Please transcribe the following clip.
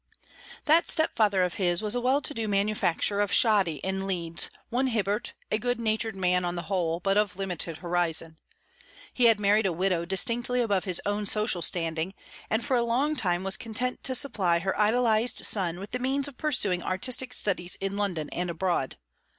That step father of his was a well to do manufacturer of shoddy in Leeds, one Hibbert, a good natured man on the whole, but of limited horizon. He had married a widow above his own social standing, and for a long time was content to supply her idolized son with the means of pursuing artistic studies in London and abroad.